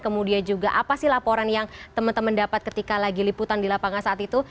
kemudian juga apa sih laporan yang teman teman dapat ketika lagi liputan di lapangan saat itu